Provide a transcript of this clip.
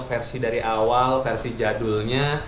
versi dari awal versi jadulnya